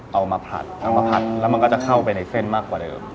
เอามาผัดเอามาผัดแล้วมันก็จะเข้าไปในเส้นมากกว่าเดิม